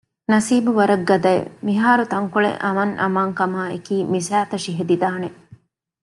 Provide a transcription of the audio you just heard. ނަސީބު ވަރަށް ގަދައެވެ! މިހާރުތަންކޮޅެއް އަމަންއަމާންކަމާއެކީ މި ސައިތަށި ހެދިދާނެ